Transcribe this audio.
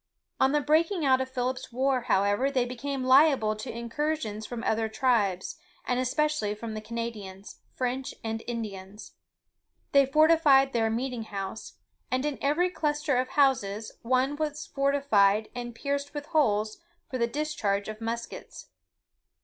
On the breaking out of Philip's war, however, they became liable to incursions from other tribes, and especially from the Canadians, French, and Indians. They fortified their "meeting house;" and in every cluster of houses, one was fortified and pierced with holes for the discharge of muskets.